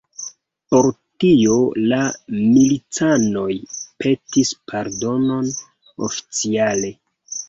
Por tio la milicanoj petis pardonon oficiale.